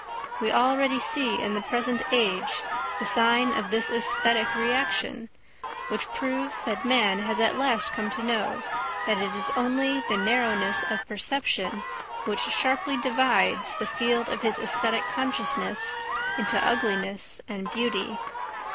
We already see in the present age the sign of this æsthetic reaction, which proves that man has at last come to know that it is only the narrowness of perception which sharply divides the field of his æsthetic consciousness into ugliness and beauty.